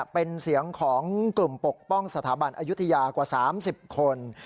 เป็นเสียงของกลุ่มปกป้องสถาบันอายุทยากว่า๓๐คน